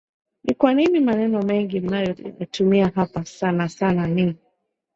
ni kwa nini maneno mengi mnayoyatumia hapa sana sana ni